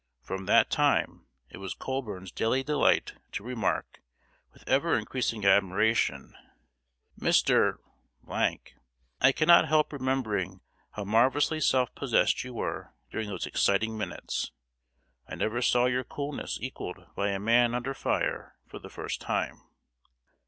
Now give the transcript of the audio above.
From that time, it was Colburn's daily delight, to remark, with ever increasing admiration: "Mr. , I cannot help remembering how marvelously self possessed you were during those exciting minutes. I never saw your coolness equaled by a man under fire for the first time."